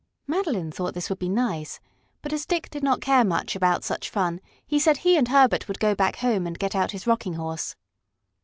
Madeline thought this would be nice, but as Dick did not care much about such fun he said he and Herbert would go back home and get out his Rocking Horse.